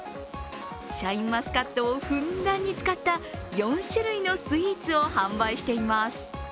シャインマスカットをふんだんに使った４種類のスイーツを販売しています